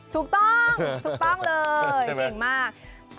ถูกต้องถูกต้องเลยเก่งมาก